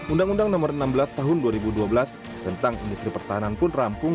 undang undang nomor enam belas tahun dua ribu dua belas tentang industri pertahanan pun rampung